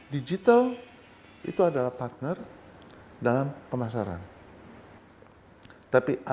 digital itu adalah pandangnya